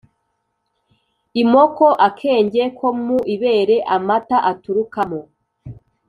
imoko: akenge ko mu ibere amata aturukamo